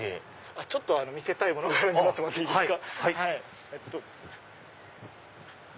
ちょっと見せたいものがあるんで待ってもらっていいですか。